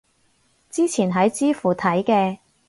之前喺知乎睇嘅